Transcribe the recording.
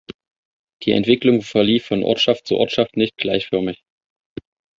Die Entwicklung verlief von Ortschaft zu Ortschaft nicht gleichförmig.